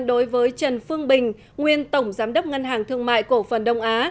đối với trần phương bình nguyên tổng giám đốc ngân hàng thương mại cổ phần đông á